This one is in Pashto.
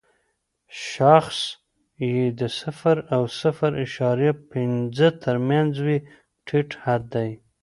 شاخص یې د صفر او صفر اعشاریه پنځه تر مینځ وي ټیټ حد دی.